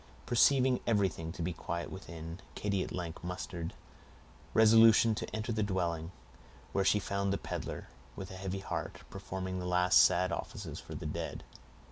Perceiving everything to be quiet within, Katy at length mustered resolution to enter the dwelling, where she found the peddler, with a heavy heart, performing the last sad offices for the dead.